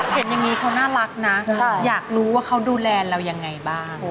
เห็นอย่างนี้เขาน่ารักนะอยากรู้ว่าเขาดูแลเรายังไงบ้าง